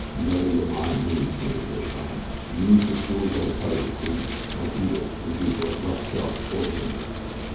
"Never yeh mind me," commanded Billy Byrne. "Youse jes' do as I tells yeh, see? Now, beat it," and he gave her a rough shove toward the window.